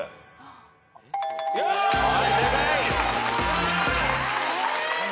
はい正解。